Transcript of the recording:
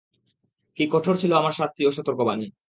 কী কঠোর ছিল আমার শাস্তি ও সতর্কবাণী!